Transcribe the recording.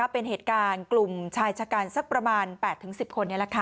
เป็นเหตุการณ์กลุ่มชายชะกันสักประมาณ๘๑๐คน